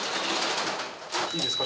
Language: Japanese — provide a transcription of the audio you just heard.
いいですか？